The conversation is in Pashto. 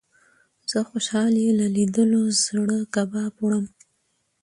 زه خوشال يې له ليدلو زړه کباب وړم